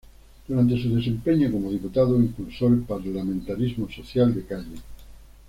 Durante su desempeño como diputado impulsó el Parlamentarismo Social de Calle.